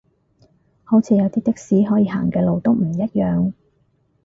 好似有啲的士可以行嘅路都唔一樣